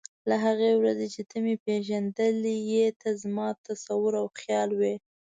له هغې ورځې چې ته مې پېژندلی یې ته زما تصور او خیال وې.